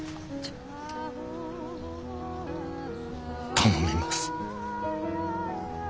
頼みます。